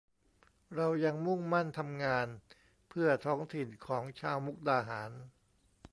เรายังมุ่งมั่นทำงานเพื่อท้องถิ่นของชาวมุกดาหาร